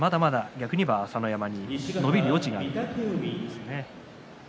逆にいえば朝乃山に伸びる余地があるということですね。